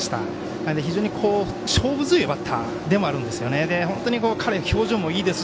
なので、非常に勝負強いバッターでもあるんです。